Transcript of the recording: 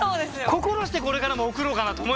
心してこれからも送ろうかなと思いました